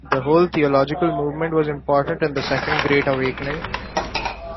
The whole theological movement was important in the Second Great Awakening.